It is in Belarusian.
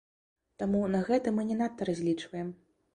Таму на гэта мы не надта разлічваем.